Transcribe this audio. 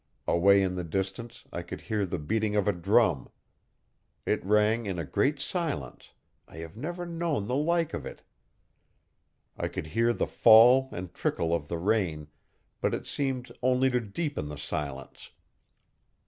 Away in the distance I could hear the beating of a drum. It rang in a great silence I have never known the like of it. I could hear the fall and trickle of the rain, but it seemed only to deepen the silence.